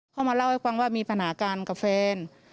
เขามาเล่าให้ฟังว่ามีผนาการกับแฟน